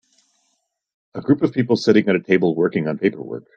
A group of people sitting at a table working on paperwork.